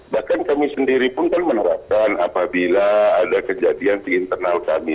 bahkan kami sendiri pun kan menerapkan apabila ada kejadian di internal kami